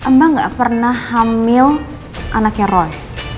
mbak gak pernah hamil anaknya roy